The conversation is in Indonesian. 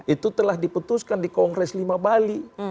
itu telah diputuskan di kongres lima bali